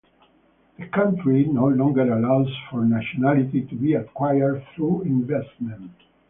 The country no longer allows for nationality to be acquired through investment.